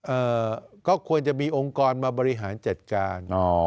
เอ่อก็ควรจะมีองค์กรมาบริหารจัดการอ๋อ